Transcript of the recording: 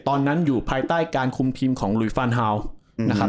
ตอนนั้นอยู่ภายใต้การคุมทีมของลุยฟานฮาวส์นะครับ